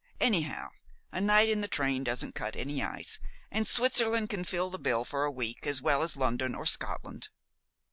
Anyhow, a night in the train doesn't cut any ice, and Switzerland can fill the bill for a week as well as London or Scotland."